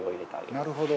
なるほど。